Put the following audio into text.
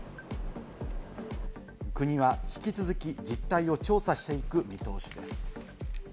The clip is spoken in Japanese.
国は引き続き実態を調査していく見通しです。